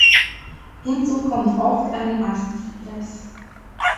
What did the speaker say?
Hinzu kommt oft ein Aszites.